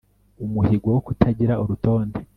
Umuhigo wo kutagira urutonde